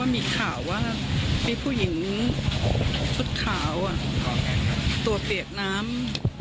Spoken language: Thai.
มีผู้หญิงชุดขาวตรวจเปียกน้ำ